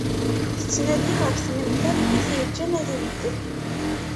Tettnadi ɣef tmental i t-yeǧǧan ad ibeddel.